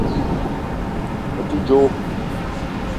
Me te djo